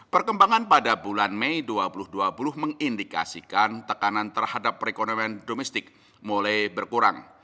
perkembangan pada bulan mei dua ribu dua puluh mengindikasikan tekanan terhadap perekonomian domestik mulai berkurang